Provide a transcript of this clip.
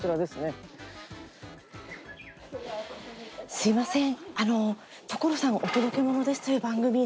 すいません。